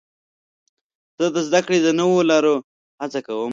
زه د زدهکړې د نوو لارو هڅه کوم.